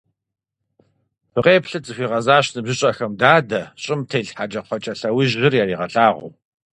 — Фыкъеплъыт! — захуигъэзащ ныбжьыщӀэхэм дадэ, щӀым телъ хьэкӀэкхъуэкӀэ лъэужьыр яригъэлъагъуу.